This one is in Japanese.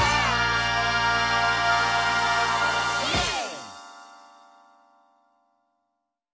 イエーイ！